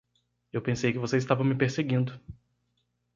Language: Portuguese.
Eu pensei que você estava me perseguindo?